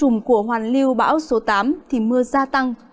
trong trùng của hoàn lưu bão số tám thì mưa gia tăng